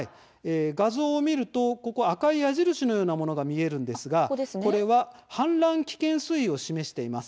画像を見ると赤い矢印のようなものが見えるんですがこれは氾濫危険水位を示しています。